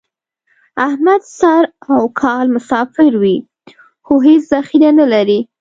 احمد سر او کال مسافر وي، خو هېڅ ذخیره نه لري.